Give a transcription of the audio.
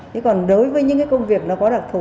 thế còn đối với những cái công việc nó có đặc thù